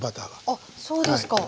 あっそうですか。